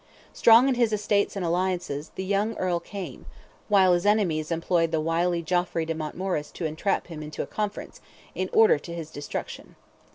Strong in his estates and alliances, the young Earl came; while his enemies employed the wily Geoffrey de Mountmorres to entrap him into a conference, in order to his destruction.